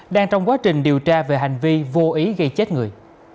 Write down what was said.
đang trong quá trình điều tra về hành vi vô ý gây chết người